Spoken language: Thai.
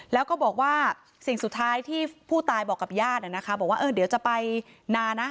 แล้วก็บอกว่าสิ่งสุดท้ายที่ผู้ตายบอกกับญาติบอกว่าเดี๋ยวจะไปนานะ